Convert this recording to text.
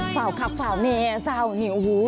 ฝ่าวค่ะฝ่าวเนี่ยฝ่าวเนี่ยโอ้โห